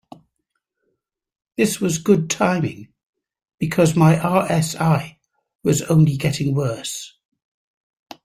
This was good timing, because my RSI was only getting worse.